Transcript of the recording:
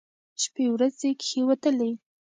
شپې ورځې کښېوتلې.